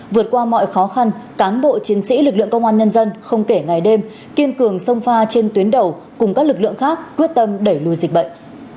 vượt qua mọi khó khăn cán bộ chiến sĩ lực lượng công an nhân dân không kể ngày đêm kiên cường sông pha trên tuyến đầu cùng các lực lượng khác quyết tâm đẩy lùi dịch bệnh